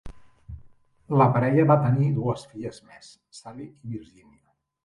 La parella va tenir dues filles més, Sally i Virginia.